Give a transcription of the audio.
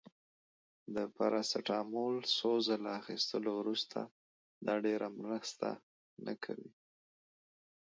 د پاراسټامول څو ځله اخیستلو وروسته، دا ډیره مرسته نه کوي.